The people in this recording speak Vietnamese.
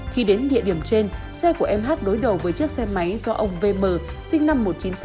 khi đến địa điểm trên xe của em hát đối đầu với chiếc xe máy do ông v m sinh năm một nghìn chín trăm sáu mươi ba